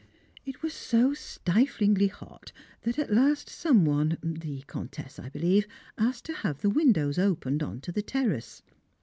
It was so stiflingly hot that at last some one the Comtesse, I believe asked to have the windows opened on to the terrace.